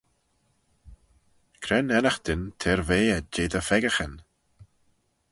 Cre'n ennaghtyn t'er ve ayd jeh dty pheccaghyn?